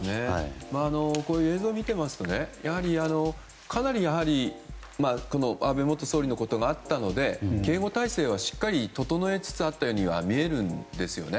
こういう映像を見ていますとやはり安倍元総理のことがあったので警護態勢はしっかり整えつつあったように見えるんですよね。